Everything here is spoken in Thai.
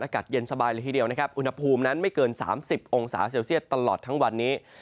อากาศเย็นสบายเลยทีเดียวนะครับอุณหภูมินั้นไม่เกิน๓๐องศาเซลเซียตตลอดทั้งวันนี้